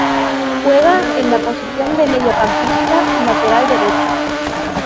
Juega en la posición de mediocampista y lateral derecho.